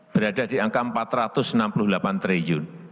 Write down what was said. berada di angka rp empat ratus enam puluh delapan triliun